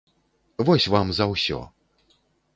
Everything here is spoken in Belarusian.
Вось вам за ўсё.